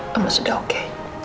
mama sudah oke